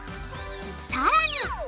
さらに！